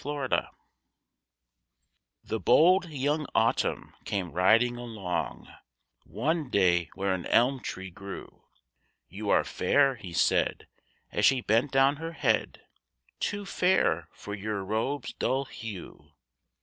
THE FOOLISH ELM The bold young Autumn came riding along One day where an elm tree grew. "You are fair," he said, as she bent down her head, "Too fair for your robe's dull hue.